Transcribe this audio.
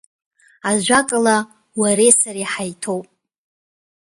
Ажәакала, уареи сареи ҳаиҭоуп!